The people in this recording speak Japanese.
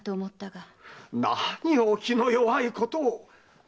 何をお気の弱いことを。